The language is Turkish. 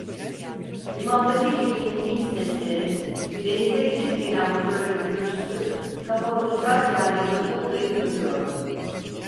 Limandaki geminin vinç sesleri, denizde gidip gelen motörlerin gürültüsü kafamın uzak yerlerinde uğuldayıp duruyordu.